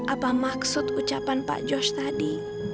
apa maksud ucapan pak george tadi